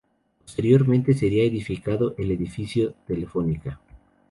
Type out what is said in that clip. Posteriormente sería edificado el edificio Telefónica.